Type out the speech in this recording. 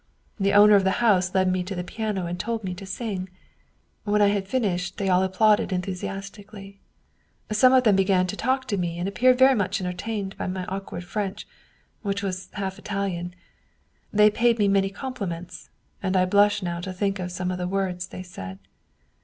The owner of the house led me to the piano and told me to sing. When I had finished they all applauded enthusiastically. Some of them began to talk to me, and appeared much entertained by my awkward French, which was half Italian. They paid me many compliments, and I blush now to think of some of the words they said.